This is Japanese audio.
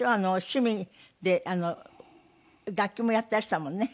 趣味で楽器もやっていらしたものね。